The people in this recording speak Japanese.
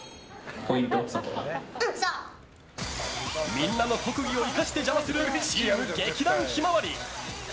みんなの特技を生かして邪魔する、チーム劇団ひまわり。